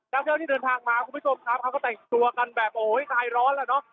เจ้าที่เดินทางมาคุณผู้ชมครับเขาก็แต่งตัวกันแบบโอ้โหคลายร้อนแล้วเนอะ